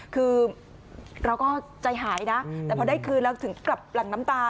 คือเราก็ใจหายนะแต่พอได้คืนแล้วถึงกลับหลังน้ำตา